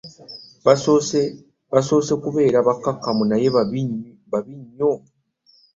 Basoose kubeera bakkakkamu naye babi nnyo.